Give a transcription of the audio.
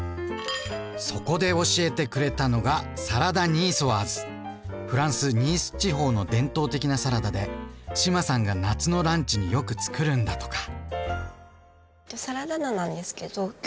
そこで教えてくれたのがフランスニース地方の伝統的なサラダで志麻さんが夏のランチによくつくるんだとか。